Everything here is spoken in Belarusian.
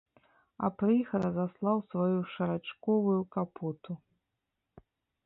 А пры іх разаслаў сваю шарачковую капоту.